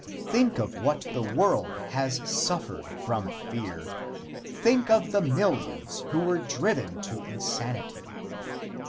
Think of what the world has suffered from fear. Think of the millions who were driven to insanity.